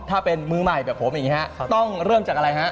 ถ้าเป็นมือใหม่แบบผมอย่างนี้ฮะต้องเริ่มจากอะไรฮะ